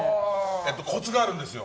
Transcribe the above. コツがあるんですよ。